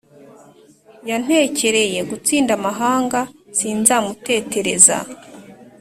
Yanterekeye gutsinda amahanga sinzamutetereza!